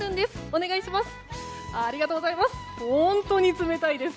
お願いします。